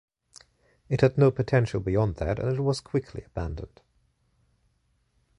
It had no potential beyond that and it was quickly abandoned.